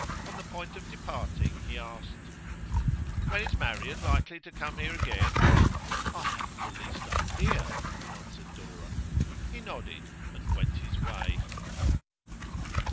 On the point of departing he asked: 'When is Marian likely to come here again?' 'I haven't the least idea,' answered Dora. He nodded, and went his way.